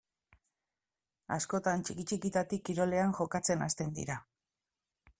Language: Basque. Askotan, txiki-txikitatik kirolean jokatzen hasten dira.